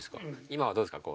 今はどうですか？